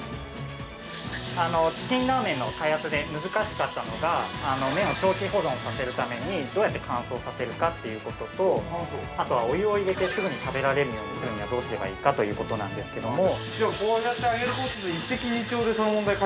◆チキンラーメンの開発で難しかったのが麺を長期保存させるためにどうやって乾燥させるかということとあとは、お湯を入れてすぐに食べられるようにするにはどうすればいいかということなんですけども。